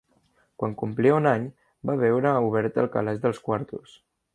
Quan complia un any, va veure obert el calaix dels quartos